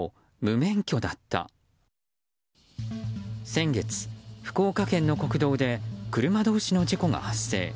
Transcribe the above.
先月、福岡県の国道で車同士の事故が発生。